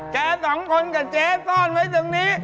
สองคนกับเจ๊ซ่อนไว้ตรงนี้